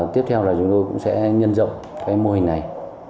tiếp theo là chúng tôi cũng sẽ nhân dọng mô hình